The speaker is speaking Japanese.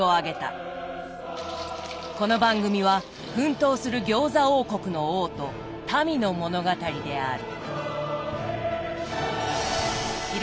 この番組は奮闘する餃子王国の王と民の物語である。